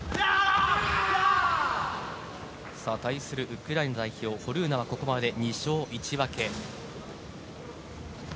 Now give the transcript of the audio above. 対するウクライナ代表ホルーナはここまで２勝１分け。